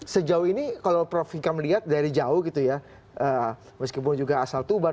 sejauh ini kalau prof vika melihat dari jauh gitu ya meskipun juga asal tuban